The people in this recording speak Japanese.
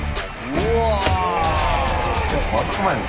うわ。